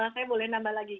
saya boleh nambah lagi